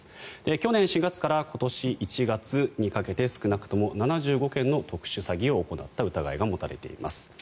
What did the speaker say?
去年４月から今年１月にかけて少なくとも７５件の特殊詐欺を行った疑いが持たれています。